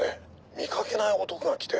見かけない男が来て」